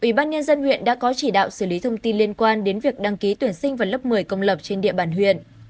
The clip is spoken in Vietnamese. ủy ban nhân dân huyện đã có chỉ đạo xử lý thông tin liên quan đến việc đăng ký tuyển sinh vào lớp một mươi công lập trên địa bàn huyện